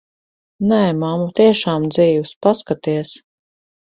Nē, mamma, tiešām dzīvs. Paskaties.